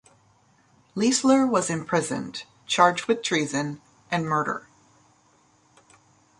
Leisler was imprisoned, charged with treason and murder.